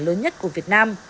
lớn nhất của việt nam